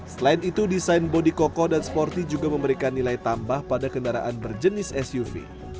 selain itu desain bodi koko dan sporty juga memberikan nilai tambah pada kendaraan berjenis suv